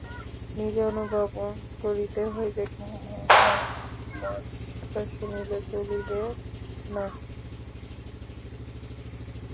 নিজে অনুভব করিতে হইবে, কেবল ব্যাখ্যা ও মত শুনিলে চলিবে না।